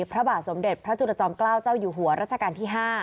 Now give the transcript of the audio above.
พระบาทสมเด็จพระจุลจอมเกล้าเจ้าอยู่หัวรัชกาลที่๕